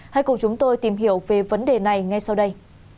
hãy cùng chúng tôi tìm hiểu về vấn đề này ngay sau đây